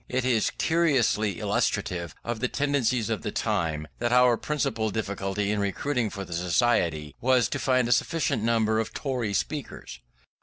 It is curiously illustrative of the tendencies of the time, that our principal difficulty in recruiting for the Society was to find a sufficient number of Tory speakers.